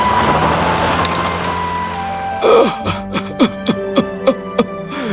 jangan lupa untuk mencari penyembuhan